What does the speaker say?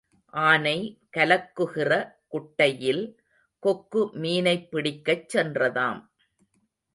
ஆனை கலக்குகிற குட்டையில் கொக்கு மீனைப் பிடிக்கச் சென்றதாம்.